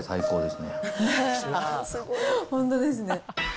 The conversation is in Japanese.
本当ですね。